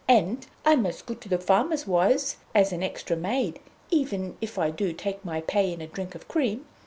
And I'm as good to the farmers' wives as an extra maid, even if I do take my pay in a drink of cream.